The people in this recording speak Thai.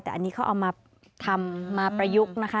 แต่อันนี้เขาเอามาทำมาประยุกต์นะคะ